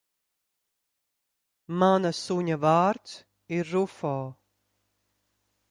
Mana su?a v?rds ir Rufo.